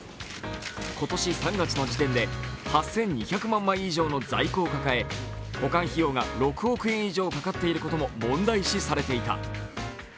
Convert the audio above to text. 今年３月の時点で８２００万枚以上の在庫を抱え、保管費用が６億円以上かかっていることも問題視されていた。